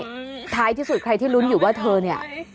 ท้ายที่สุดใครที่ลุ้นอยู่ว่าเธอเนี่ย